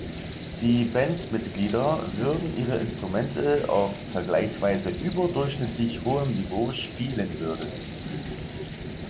Die Bandmitglieder würden ihre Instrumente auf vergleichsweise überdurchschnittlich hohem Niveau spielen würden.